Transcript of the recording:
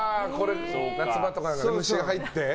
夏場とかだと虫が入って？